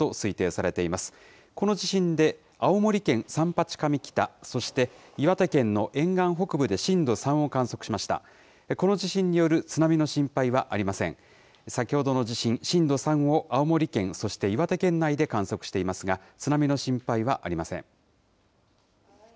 先ほどの地震、震度３を青森県、そして岩手県内で観測していますが、津波の心配はありません。